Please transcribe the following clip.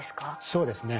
そうですね。